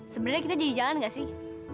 sebenernya kita jadi jalan gak sih